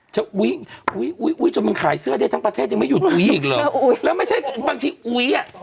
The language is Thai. อุ้ยอุ้ยอุ๊ยอุ๊ยจนมันขายเสื้อได้ทั้งประเทศยังไม่หยุดอุ๊ยอีกเหรอแล้วไม่ใช่บางทีอุ๊ยอ่ะ